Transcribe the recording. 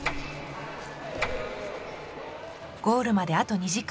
ゴールまであと２時間。